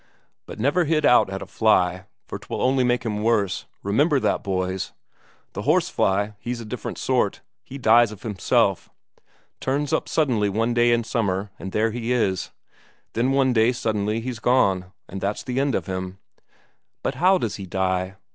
But never hit out at a fly, for 'twill only make him worse remember that, boys! The horsefly he's a different sort, he dies of himself. Turns up suddenly one day in summer, and there he is; then one day suddenly he's gone, and that's the end of him." "But how does he die?"